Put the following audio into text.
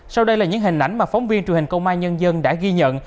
sau đây là những hình ảnh mà phóng viên truyền hình công an nhân dân đã ghi nhận